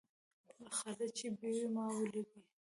خالد چې بېوى؛ ما وليدئ.